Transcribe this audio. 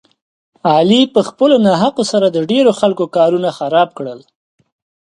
علي په خپلو ناحقو سره د ډېرو خلکو کارونه خراب کړل.